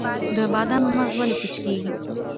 د بادامو مغز ولې پوچ کیږي؟